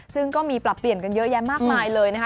ซึ่งก็มีปรับเปลี่ยนกันเยอะแยะมากมายเลยนะคะ